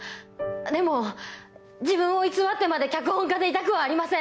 でも自分を偽ってまで脚本家でいたくはありません。